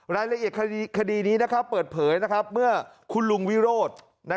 รายละเอียดคดีนี้เปิดเผยเมื่อคุณลุงวิโรธ